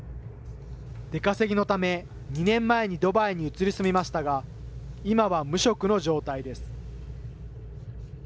出稼ぎのため、２年前にドバイに移り住みましたが、今は無職の状態です。